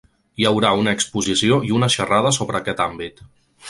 Hi haurà una exposició i una xerrada sobre aquest àmbit.